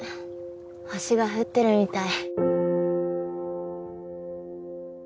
星が降ってるみたい。